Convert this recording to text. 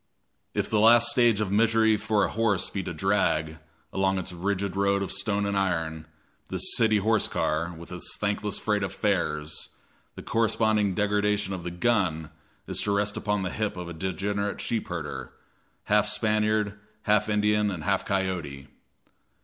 If the last stage of misery for a horse be to drag, along its rigid road of stone and iron, the city horse car with its thankless freight of fares, the corresponding degradation of the "gun" is to rest upon the hip of a degenerate sheep herder, half Spaniard, half Indian and half coyote.